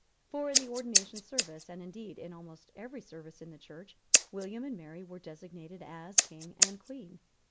For in the ordination service, and indeed in almost every service of the Church, William and Mary were designated as King and Queen.